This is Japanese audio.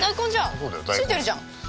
ついてるじゃん。